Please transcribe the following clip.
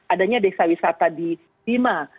adanya desa wisata di bima